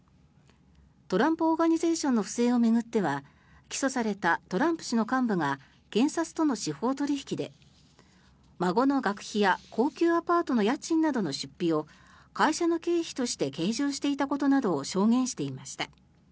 トランプ・オーガニゼーションの不正を巡っては起訴されたトランプ氏の幹部が検察との司法取引で孫の学費や高級アパートの家賃などの出費を会社の経費として計上していたことなどを証言していました。